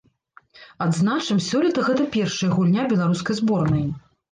Адзначым, сёлета гэта першая гульня беларускай зборнай.